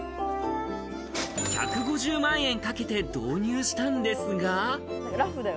１５０万円かけて導入したんですが。